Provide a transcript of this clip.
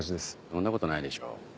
そんなことないでしょう。